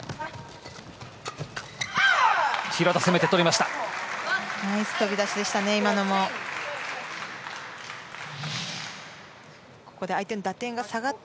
廣田、攻めて取りました！